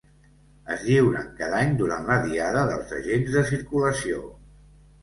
Es lliuren cada any durant la Diada dels Agents de Circulació.